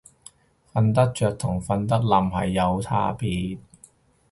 瞓得着同瞓得稔係有差別